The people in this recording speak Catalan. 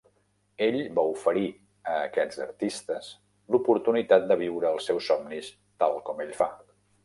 Ell va oferir a aquests artistes l'oportunitat de viure els seus somnis tal com ell fa.